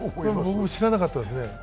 僕も知らなかったですね。